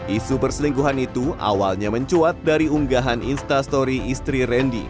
isu perselingkuhan itu awalnya mencuat dari unggahan instastory istri randy